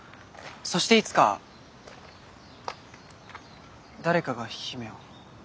そしていつか誰かが姫を。